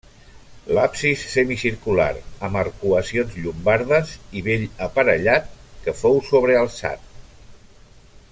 L'absis semicircular, amb arcuacions llombardes i bell aparellat, que fou sobrealçat.